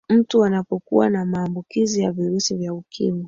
mtu anapokuwa na maambukizi ya virusi vya ukimwi